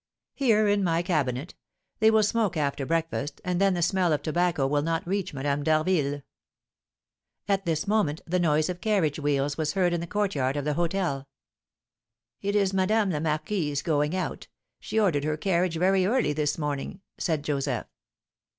"Here, in my cabinet; they will smoke after breakfast, and then the smell of the tobacco will not reach Madame d'Harville." At this moment the noise of carriage wheels was heard in the courtyard of the hôtel. "It is Madame la Marquise going out; she ordered her carriage very early this morning," said Joseph.